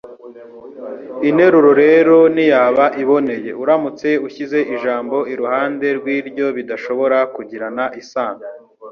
Interuro rero ntiyaba iboneye uramutse ushyize ijambo iruhande rw’iryo bidashobora kugirana isano.